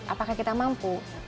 apakah kita mampu